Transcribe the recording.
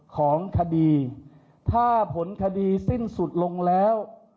ของคดีถ้าผลคดีสิ้นสุดลงแล้ว